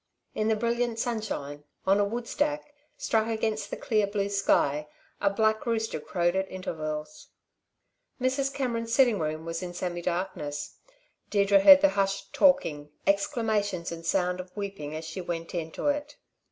In the brilliant sunshine, on a wood stack, struck against the clear blue sky, a black rooster crowed at intervals. Mrs. Cameron's sitting room was in semi darkness. Deirdre heard the hushed talking, exclamations and sound of weeping as she went into it.